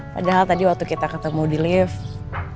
padahal tadi waktu kita ketemu di lift